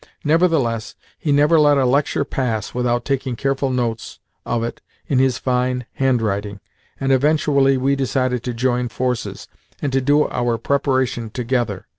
Nevertheless he never let a lecture pass without taking careful notes of it in his fine handwriting, and eventually we decided to join forces, and to do our preparation together.